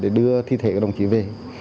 để đưa thi thể của đồng chí về